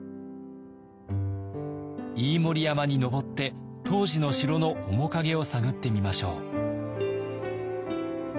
飯盛山に登って当時の城の面影を探ってみましょう。